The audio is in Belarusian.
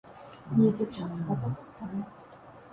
Нейкі час хата пустая.